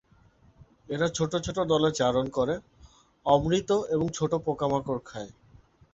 এরা ছোট ছোট দলে চারণ করে, অমৃত এবং ছোট পোকামাকড় খায়।